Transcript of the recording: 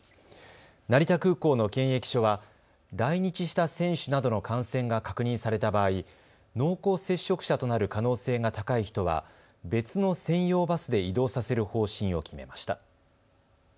成田空港の検疫所は来日した選手などの感染が確認された場合、濃厚接触者となる可能性が高い人は別の専用バスで移動させる方針を決めました。